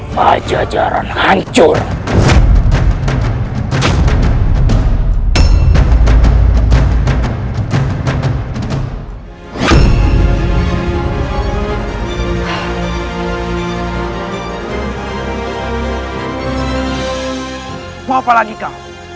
mau apa lagi kau